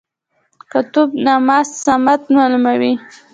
قطب نما سمت معلوموي